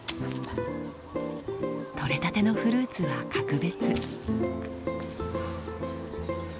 取れたてのフルーツは格別。